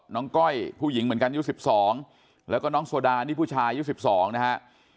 ก้อยผู้หญิงเหมือนกันอายุ๑๒แล้วก็น้องโซดานี่ผู้ชายอายุ๑๒นะฮะ